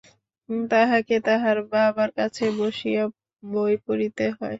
তাহাকে তাহার বাবার কাছে বসিয়া বই পড়িতে হয়।